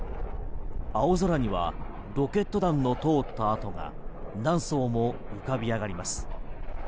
青空にはロケット弾の通った跡が何層も浮かび上がります。